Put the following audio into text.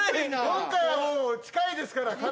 今回はもう近いですから。